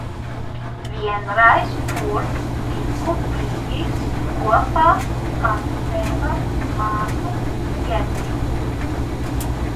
Vienreiz tur tiku bijis kopā ar tēva māsu Jetti.